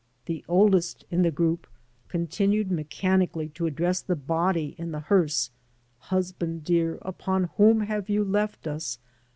The oldest in the group continued mechanically to address the body in the hearse: ''Husband dear, upon whom have you left us.'